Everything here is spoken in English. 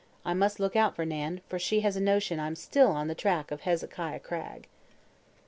I must look out for Nan, for she has a notion I'm still on the track of Hezekiah Cragg."